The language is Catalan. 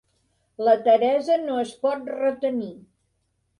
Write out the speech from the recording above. La Teresa no es pot retenir.